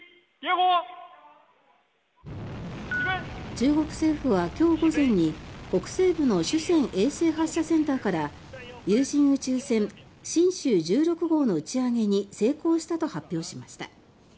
中国政府は今日、午前に北西部の酒泉衛星発射センターから有人宇宙船「神舟１６号」の打ち上げに成功したと発表しました。